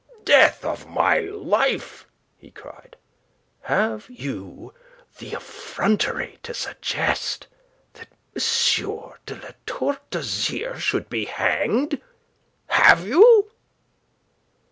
"Death of my life!" he cried. "Have you the effrontery to suggest that M. de La Tour d'Azyr should be hanged? Have you?"